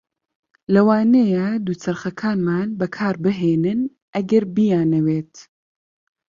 لەوانەیە دووچەرخەکانمان بەکاربهێنن ئەگەر بیانەوێت.